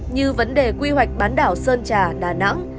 như vấn đề quy hoạch bán đảo sơn trà đà nẵng